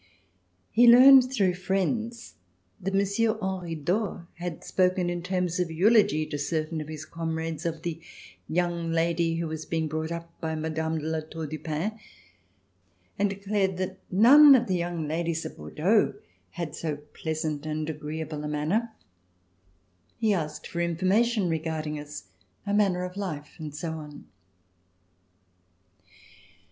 He learned through friends that Monsieur Henri d'Aux had spoken in terms of eulogy to certain of his comrades of the young lady who was being brought up by Mme. de La Tour du Pin, and had [321 ] RECOLLECTIONS OF THE^ REVOLUTION declared that none of the young ladies of Bordeaux had so pleasant and agreeable a manner. He asked for information regarding us, our manner of life and so on.